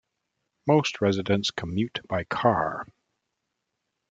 Most residents commute by car.